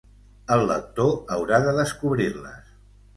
El lector haurà de descobrir-les.